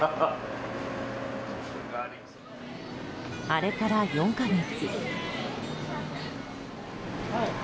あれから４か月。